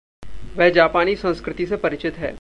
वह जापानी संस्कृति से परिचित है।